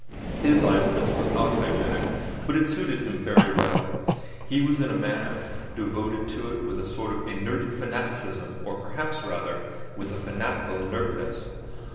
His idleness was not hygienic, but it suited him very well. He was in a manner devoted to it with a sort of inert fanaticism, or perhaps rather with a fanatical inertness.